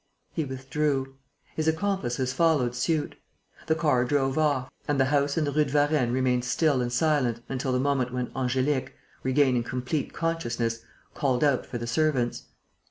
He withdrew. His accomplices followed suit. The car drove off, and the house in the Rue de Varennes remained still and silent until the moment when Angélique, regaining complete consciousness, called out for the servants.